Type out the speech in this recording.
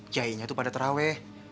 kiainya itu pada terawih